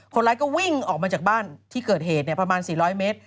คนร้ายก็วิ่งออกมาจากบ้านที่เกิดเหตุประมาณ๔๐๐เมตร